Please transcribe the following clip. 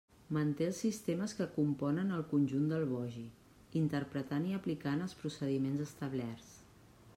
Manté els sistemes que componen el conjunt del bogi, interpretant i aplicant els procediments establerts.